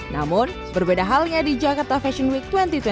namun berbeda halnya di jakarta fashion week dua ribu dua puluh